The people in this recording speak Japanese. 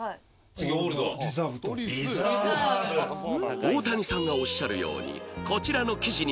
大谷さんがおっしゃるようにこちらの記事にも